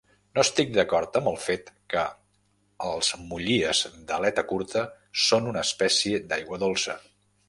No estic d'acord amb el fet que els mollies d'aleta curta són una espècie d'aigua dolça.